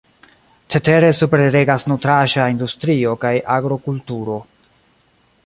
Cetere superregas nutraĵa industrio kaj agrokulturo.